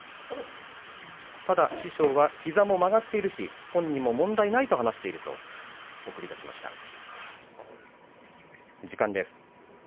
ただ師匠は膝も曲がっているし本人も問題ないと話しているということです。